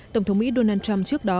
tổng thống mỹ donald trump trước đó